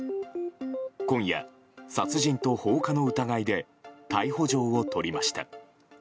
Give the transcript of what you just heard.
今夜、殺人と放火の疑いで逮捕状を取りました。